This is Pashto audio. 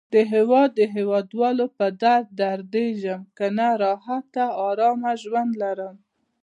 د هیواد او هیواد والو په درد دردېږم. کنه راحته او آرام ژوند لرم.